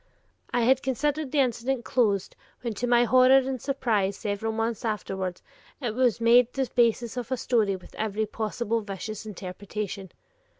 I had considered the incident closed, when to my horror and surprise several months afterward it was made the basis of a story with every possible vicious interpretation.